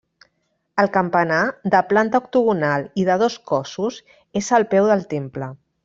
El campanar, de planta octogonal i de dos cossos, és al peu del temple.